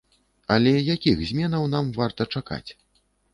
Але якіх зменаў нам варта чакаць?